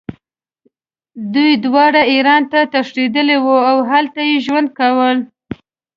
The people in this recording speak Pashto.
دوی دواړه ایران ته تښتېدلي وو او هلته یې ژوند کاوه.